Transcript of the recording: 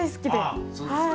あっそうですか！